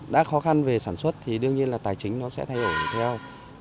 đã khó khăn về sản xuất thì đương nhiên là tài chính nó sẽ thay đổi theo